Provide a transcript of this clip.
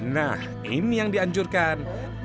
nah ini yang dianjurkan